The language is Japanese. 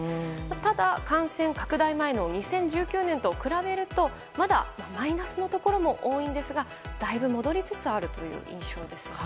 ただ、感染拡大前の２０１９年と比べるとまだマイナスのところも多いんですがだいぶ戻りつつあるという印象ですね。